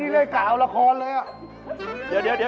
ไอ้นี่รักกาลราคอนเลย